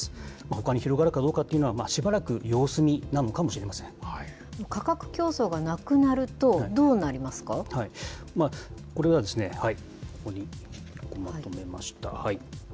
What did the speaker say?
ほかに広がるかどうかというのは、しばらく様子見なのかもしれませ価格競争がなくなると、どうこれはここに、まとめました。